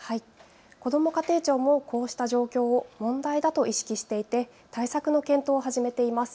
こども家庭庁もこうした状況を問題だと意識していて対策の検討を始めています。